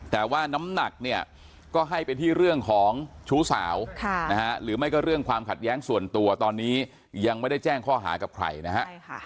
แต่ว่าน้ำหนักเนี่ยก็ให้ไปที่เรื่องของชู้สาวหรือไม่ก็เรื่องความขัดแย้งส่วนตัวตอนนี้ยังไม่ได้แจ้งข้อหากับใครนะฮะ